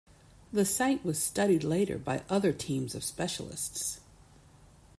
The site was studied later by other teams of specialists.